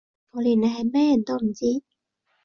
我連佢係咩人都唔知